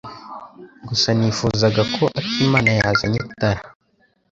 Gusa nifuzaga ko Akimana yazanye itara.